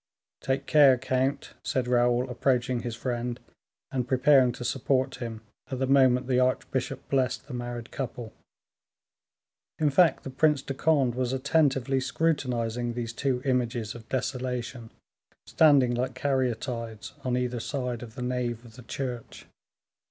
"Take care, count," said Raoul, approaching his friend, and preparing to support him at the moment the archbishop blessed the married couple. In fact, the Prince of Conde was attentively scrutinizing these two images of desolation, standing like caryatides on either side of the nave of the church.